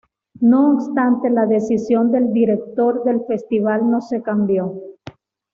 No obstante la decisión del director del festival no se cambió.